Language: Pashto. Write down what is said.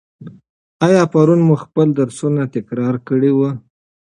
آیا پرون مو خپل درسونه تکرار کړي وو؟